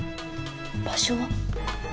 場所は？